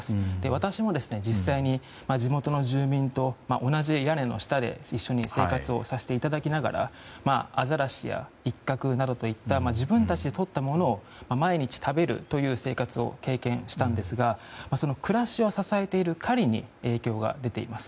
私も実際に地元の住民と同じ屋根の下で一緒に生活をさせていただきながらアザラシやイッカクなどといった自分たちでとったものを毎日食べるという生活を経験したんですがその暮らしを支えている狩りに影響が出ています。